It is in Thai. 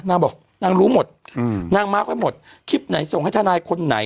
นางบอกนางรู้หมดอืมนางมาร์คไว้หมดคลิปไหนส่งให้ทนายคนไหน